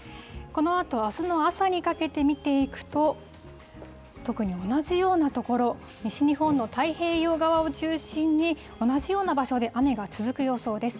このあと、あすの朝にかけて見ていくと、特に同じような所、西日本の太平洋側を中心に、同じような場所で雨が続く予想です。